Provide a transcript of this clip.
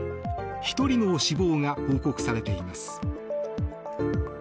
１人の死亡が報告されています。